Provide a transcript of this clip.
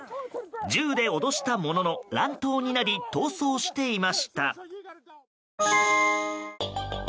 銃で脅したものの乱闘になり逃走していました。